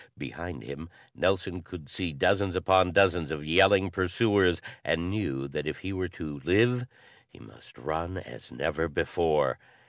Behind him Nelson could see dozens upon dozens of yelling pursuers, and knew that if he were to live he must run as never before.